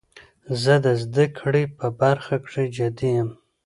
زه د زده کړي په برخه کښي جدي یم.